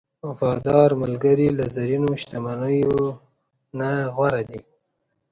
وفادار ملګری له زرینو شتمنیو نه غوره دی.